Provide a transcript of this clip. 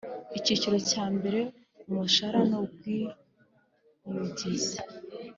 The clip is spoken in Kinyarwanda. Icyiciro cya mbere Umushahara n ibiwugize